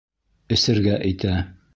Эсергә итә.